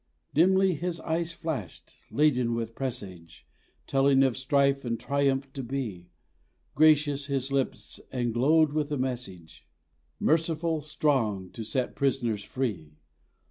Dimly His eyes flashed, laden with presage, Telling of strife and triumph to be; Gracious His lips, and glowed with a message Merciful, strong to set prisoners free.